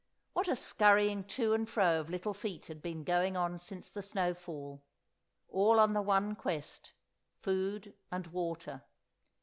What a scurrying to and fro of little feet had been going on since the snowfall, all on the one quest—food and water!